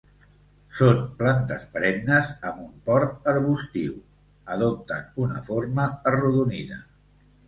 Són plantes perennes amb un port arbustiu, adopten una forma arredonida.